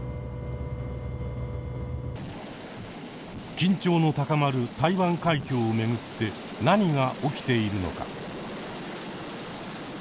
緊張の高まる台湾海峡を巡って何が起きているのか。